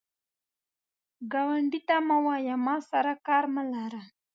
ګاونډي ته مه وایه “ما سره کار مه لره”